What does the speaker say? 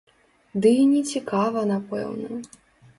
Ды і не цікава, напэўна.